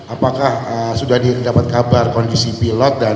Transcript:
apakah sudah didapat kabar kondisi pilot